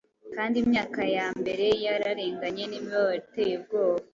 Kandi Imyaka yambere yararenganye, N'imibabaro iteye ubwoba.